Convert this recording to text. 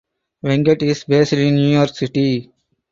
Venkat is based in New York City.